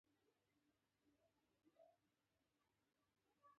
بیا کافران سي او پر کفر باندي زیات توب هم وکړي.